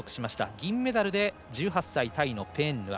銀メダルで１８歳タイのペーンヌア。